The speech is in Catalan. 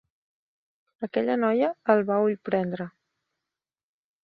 Aquella noia el va ullprendre.